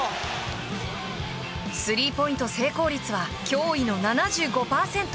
スリーポイント成功率は驚異の７５％。